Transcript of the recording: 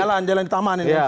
jalan jalan jalan di taman ini